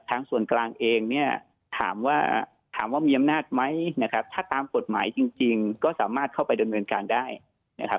ทางส่วนกลางเองเนี่ยถามว่าถามว่ามีอำนาจไหมนะครับถ้าตามกฎหมายจริงก็สามารถเข้าไปดำเนินการได้นะครับ